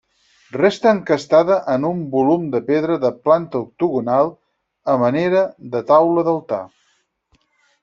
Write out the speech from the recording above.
Resta encastada en un volum de pedra, de planta octogonal, a manera de taula d'altar.